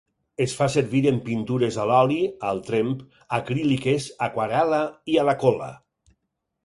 Es fa servir en pintures a l'oli, al tremp, acríliques, aquarel·la i a la cola.